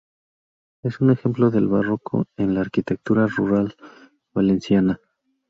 Es un ejemplo del barroco en la arquitectura rural valenciana.